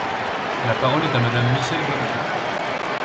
La parole est à Madame Michèle Bonneton.